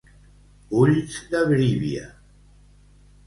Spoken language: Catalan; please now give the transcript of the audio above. Ulls de brívia.